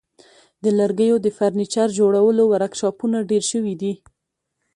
د لرګیو د فرنیچر جوړولو ورکشاپونه ډیر شوي دي.